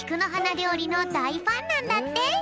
りょうりのだいファンなんだって。